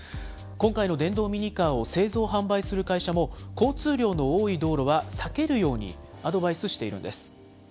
今回の電動ミニカーを製造・販売する会社も、交通量の多い道路は避けるようにアドバイスしているんです。